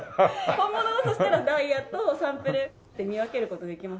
本物だとしたらダイヤとサンプルって見分ける事できます？